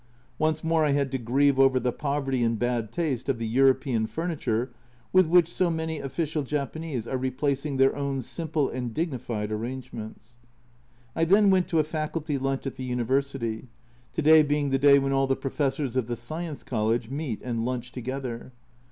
Once more I had to grieve over the poverty and bad taste of the European furniture with which so many official Japanese are replacing their own simple and dignified arrangements. I then went to a Faculty lunch at the University to day being the day when all the professors of the Science College meet and lunch together.